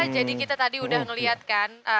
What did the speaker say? jadi kita tadi udah ngeliatkan